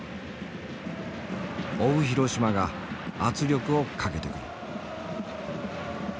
追う広島が圧力をかけてくる。